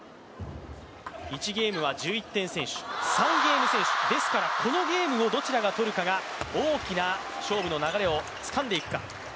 １ゲームは１１点先取、３ゲーム先取ですからこのゲームをどちらが取るかが大きな勝負の流れをつかんでいくか。